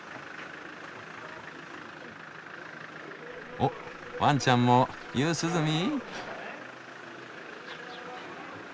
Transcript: おワンちゃんも夕涼み？